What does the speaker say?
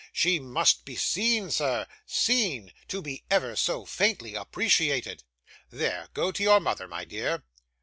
She must be seen, sir seen to be ever so faintly appreciated. There; go to your mother, my dear.